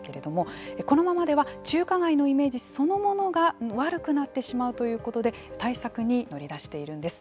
このままでは中華街のイメージそのものが悪くなってしまうということで対策に乗り出しているんです。